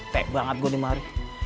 teh banget gue nih mari